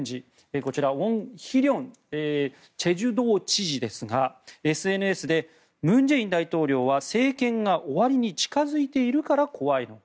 こちら、ウォン・ヒリョン済州道知事ですがＳＮＳで文在寅大統領は政権が終わりに近付いているから怖いのか？